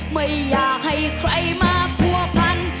ไม่อยากให้ใครมาผัวพัน